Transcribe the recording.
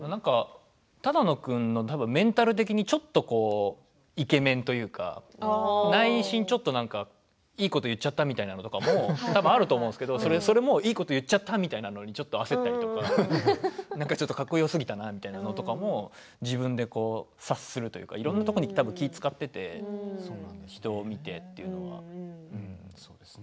只野君のメンタル的にちょっとイケメンというか内心ちょっといいこと言っちゃった、みたいな話もあると思うんですけれどいいこと言っちゃったみたいなのに焦ったりとかなんかかっこよすぎたなみたいなとかの自分で察するというかいろんなところに気を遣っていて人を見てというのは、うん。